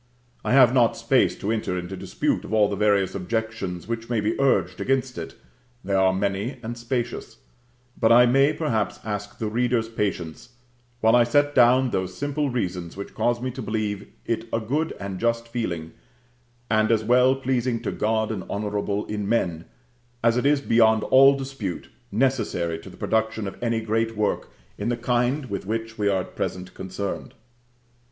I have not space to enter into dispute of all the various objections which may be urged against it they are many and spacious; but I may, perhaps, ask the reader's patience while I set down those simple reasons which cause me to believe it a good and just feeling, and as well pleasing to God and honorable in men, as it is beyond all dispute necessary to the production of any great work in the kind with which we are at present concerned.